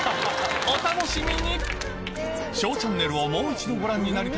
お楽しみに！